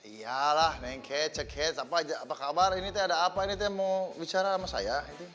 iya lah neng cathy apa kabar ini ada apa ini mau bicara sama saya